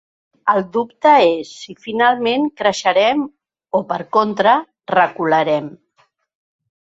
El dubte és si finalment creixerem o, per contra, recularem.